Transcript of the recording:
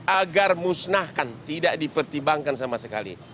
agar musnahkan tidak dipertimbangkan sama sekali